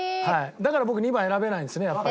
だから僕２番は選べないですねやっぱりね。